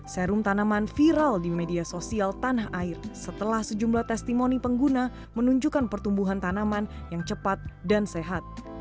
serum tanaman viral di media sosial tanah air setelah sejumlah testimoni pengguna menunjukkan pertumbuhan tanaman yang cepat dan sehat